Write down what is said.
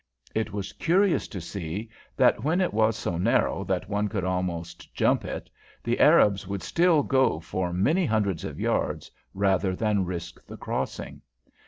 It was curious to see that when it was so narrow that one could almost jump it, the Arabs would still go for many hundreds of yards rather than risk the crossing.